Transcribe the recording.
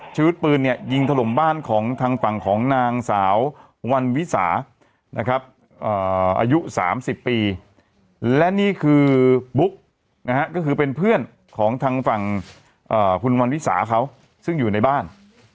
ชีวิตปืนเนี่ยยิงถล่มบ้านของทางฝั่งของนางสาววันวิสานะครับอายุ๓๐ปีและนี่คือบุ๊กนะฮะก็คือเป็นเพื่อนของทางฝั่งคุณวันวิสาเขาซึ่งอยู่ในบ้าน